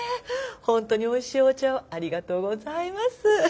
本当においしいお茶をありがとうございます。